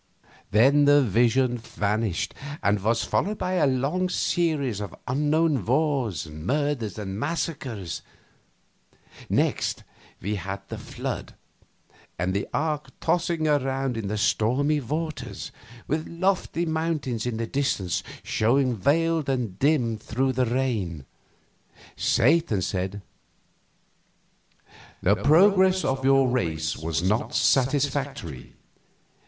Then the vision vanished, and was followed by a long series of unknown wars, murders, and massacres. Next we had the Flood, and the Ark tossing around in the stormy waters, with lofty mountains in the distance showing veiled and dim through the rain. Satan said: "The progress of your race was not satisfactory.